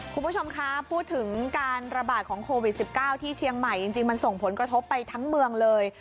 คุณผู้ชมคะพูดถึงการระบาดของโควิด๑๙ที่เชียงใหม่จริงมันส่งผลกระทบไปทั้งเมืองเลย